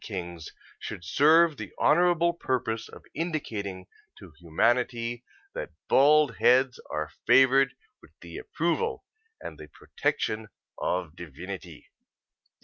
Kings should serve the honorable purpose of indicating to humanity that bald heads are favored with the approval and the protection of Divinity.